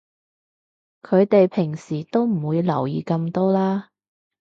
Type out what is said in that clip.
佢哋平時都唔會留意咁多啦